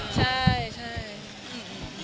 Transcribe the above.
ใช่